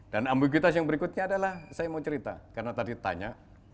dan ambiguitas yang berikutnya adalah saya mau cerita karena tadi tanya